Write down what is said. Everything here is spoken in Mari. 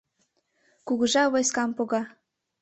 Кугыжа войскам пога;